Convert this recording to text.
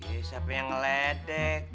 jadi siapa yang ngedek